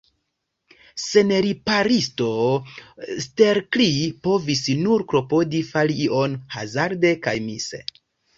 Sen riparisto, Stelkri povis nur klopodi fari ion, hazarde kaj mise.